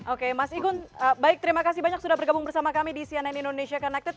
oke mas igun baik terima kasih banyak sudah bergabung bersama kami di cnn indonesia connected